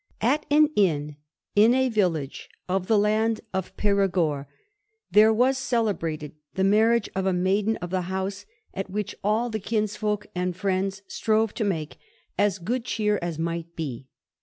At an inn, in a village of the land of Perigort, there was celebrated the marriage of a maiden of the house, at which all the kinsfolk and friends strove to make as good cheer as might be.